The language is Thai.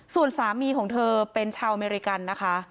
ส่วนสามีของเธอเป็นชาวอเมริกันนะคะ